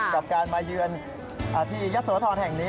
กับการมาเยือนที่ยะโสธรแห่งนี้